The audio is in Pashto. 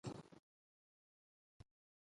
بادغیس ولې د پستې ځنګلونه لري؟